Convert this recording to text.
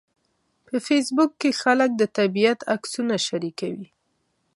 په فېسبوک کې خلک د طبیعت عکسونه شریکوي